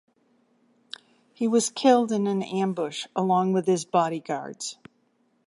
He was killed in an ambush along with his bodyguards.